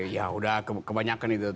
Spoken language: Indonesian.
ya udah kebanyakan itu